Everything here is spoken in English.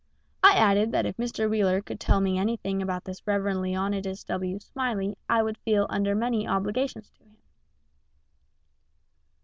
I added that if Mr. Wheeler could tell me anything about this Reverend Leonidas W. Smiley I would feel under many obligations to him.